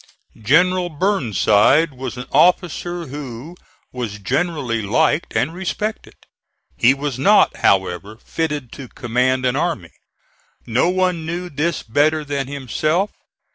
General Burnside was an officer who was generally liked and respected. He was not, however, fitted to command an army. No one knew this better than himself.